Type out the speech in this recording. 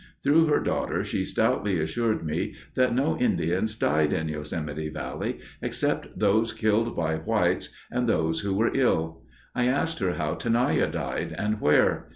Through her daughter she stoutly assured me that no Indians died in Yosemite Valley except those killed by whites and those who were ill. I asked her how Tenaya died and where.